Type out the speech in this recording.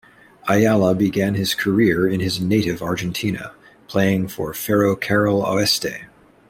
Ayala began his career in his native Argentina, playing for Ferro Carril Oeste.